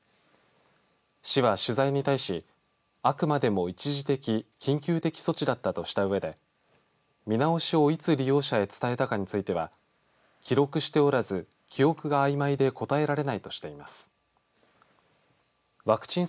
市は取材に対しあくまでも一時的、緊急的措置だったとしたうえで見直しをいつ利用者へ伝えたかについては記録しておらず記憶があいまいで答えられないとしています。